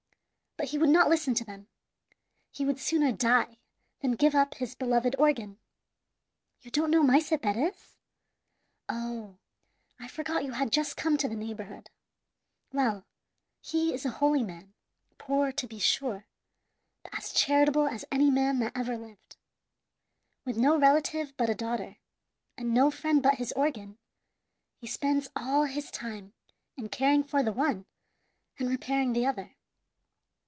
But he would not listen to them. He would sooner die than give up his beloved organ. You don't know Maese Perez? Oh, I forgot you had just come to the neighborhood. Well, he is a holy man; poor, to be sure, but as charitable as any man that ever lived. With no relative but a daughter, and no friend but his organ, he spends all his time in caring for the one and repairing the other.